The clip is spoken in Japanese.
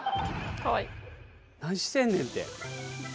何してんねんて。